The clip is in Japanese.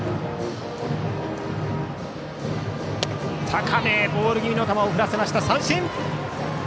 高めボール気味の球を振らせました。